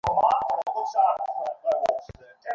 কৃষ্ণা কুমারের রোমাঞ্চ ভালোবাসা!